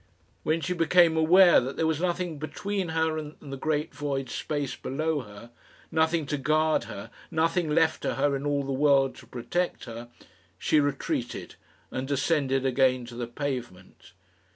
When she became aware that there was nothing between her and the great void space below her, nothing to guard her, nothing left to her in all the world to protect her, she retreated, and descended again to the pavement.